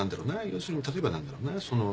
要するに例えば何だろうな。